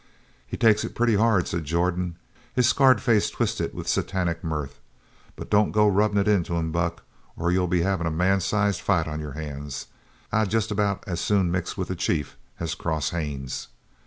"He takes it pretty hard," said Jordan, his scarred face twisted with Satanic mirth, "but don't go rubbin' it into him, Buck, or you'll be havin' a man sized fight on your hands. I'd jest about as soon mix with the chief as cross Haines.